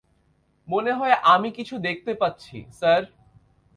মনে হয় আমি কিছু দেখতে পাচ্ছি, স্যার।